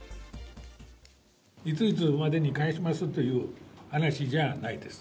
いついつまでに返しますという話じゃないです。